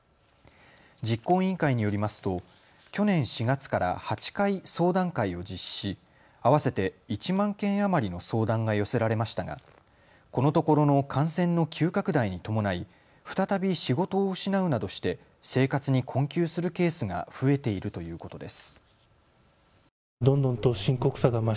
実行委員会によりますと去年４月から８回、相談会を実施し合わせて１万件余りの相談が寄せられましたがこのところの感染の急拡大に伴い再び仕事を失うなどして生活に困窮するケースが増えているということです。